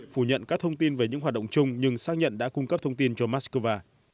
phủ nhận các thông tin về những hoạt động chung nhưng xác nhận đã cung cấp thông tin cho moscow